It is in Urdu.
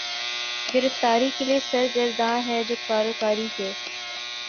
گرفتاری کے لیے سرگرداں ہے جو کاروکاری کے